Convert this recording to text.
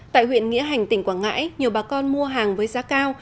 tại huyện nghĩa hành tỉnh quảng ngãi nhiều bà con mua hàng với giá cao